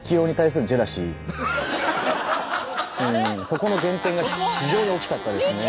そこの減点が非常に大きかったですね。